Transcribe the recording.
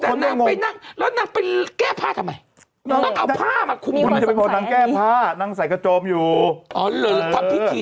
ต้องเอาผ้ามาคุ้มให้มันแสง